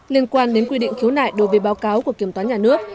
liên quan đến quy định khiếu nại đối với báo cáo của kiểm toán nhà nước